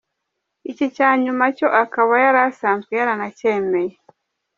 Iki cya nyuma cyo akaba yari asanzwe yaranacyemeye.